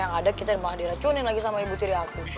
yang ada kita malah diracunin lagi sama ibu tiri aku